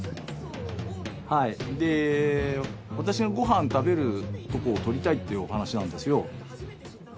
はいで私のご飯食べるとこを撮りたいっていうお話なんですよ。